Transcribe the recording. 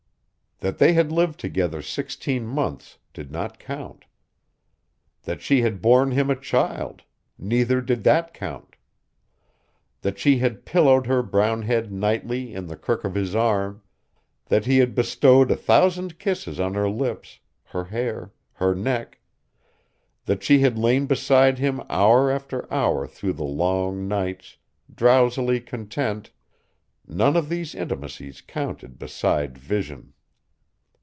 That they had lived together sixteen months did not count. That she had borne him a child, neither did that count. That she had pillowed her brown head nightly in the crook of his arm that he had bestowed a thousand kisses on her lips, her hair, her neck that she had lain beside him hour after hour through the long nights, drowsily content none of these intimacies counted beside vision.